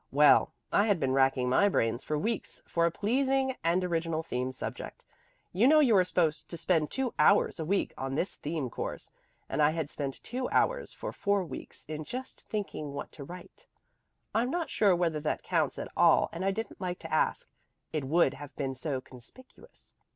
Well, I had been racking my brains for weeks for a pleasing and original theme subject. You know you are supposed to spend two hours a week on this theme course, and I had spent two hours for four weeks in just thinking what to write. I'm not sure whether that counts at all and I didn't like to ask it would have been so conspicuous.